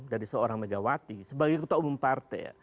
dari seorang megawati sebagai ketua umum partai